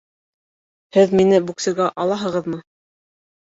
Һеҙ мине буксирға алаһығыҙмы?